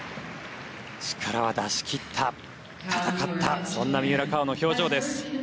力は出し切った、戦ったそんな三浦佳生の表情です。